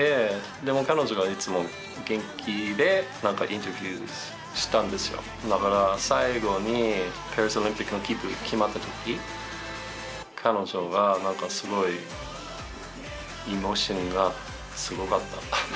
でも、彼女はいつも元気でインタビューしたんですよ、だから、最後にパリオリンピック切符、決まったとき、彼女がなんかすごいエモーショナルがすごかった。